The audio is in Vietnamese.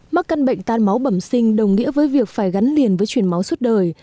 mắc căn bệnh tan máu bẩm sinh đồng nghĩa với việc phải gắn liền với chuyển máu suốt đời